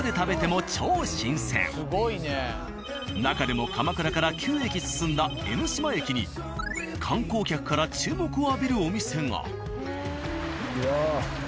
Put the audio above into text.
なかでも鎌倉から９駅進んだ江ノ島駅に観光客から注目を浴びるお店が。